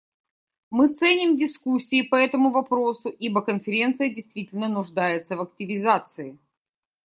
Мы ценим дискуссии по этому вопросу, ибо Конференция действительно нуждается в активизации.